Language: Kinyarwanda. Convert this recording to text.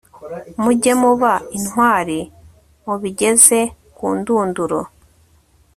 mujye muba intwari mu bigeze ku ndunduro